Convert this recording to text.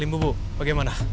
limbu bu bagaimana